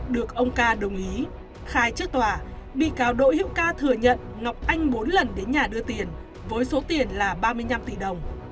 được ông ca đồng ý khai trước tòa bị cáo đỗ hữu ca thừa nhận ngọc anh bốn lần đến nhà đưa tiền với số tiền là ba mươi năm tỷ đồng